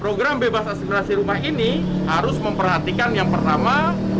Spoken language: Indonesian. program bebas aspirasi rumah ini harus memperhatikan yang pertama